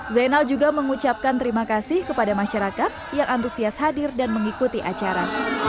zainal juga mengucapkan terima kasih kepada masyarakat yang antusias hadir dan mengikuti acara